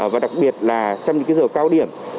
và đặc biệt là trong những giờ cao điểm